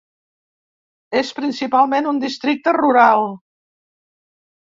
És principalment un districte rural.